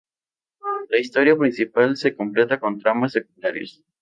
La historia principal se completa con tramas secundarias.